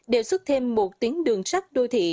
đề xuất thêm một tuyến đường sắt đô thị